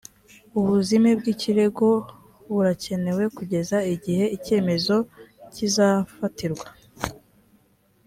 ubuzime bw ikirego burakenewe kugeza igihe icyemezo kizafatirwa